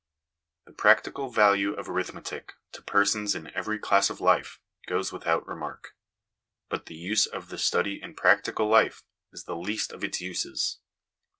The practical value of arithmetic to persons in every class of life goes without remark. But the use of the study in practical life is the least of its uses.